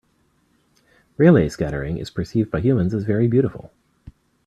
Raleigh scattering is percieved by humans as very beautiful.